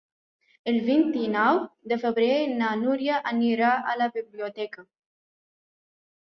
El vint-i-nou de febrer na Núria anirà a la biblioteca.